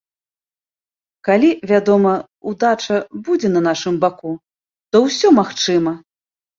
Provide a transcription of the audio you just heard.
Калі, вядома, удача будзе на нашым баку, то ўсё магчыма.